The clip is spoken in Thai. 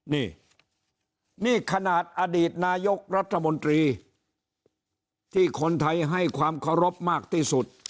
นี่นี่ขนาดอดีตนายกรัฐมนตรีที่คนไทยให้ความเคารพมากที่สุด